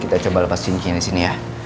kita coba lepas cincinnya disini ya